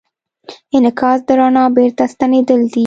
انعکاس د رڼا بېرته ستنېدل دي.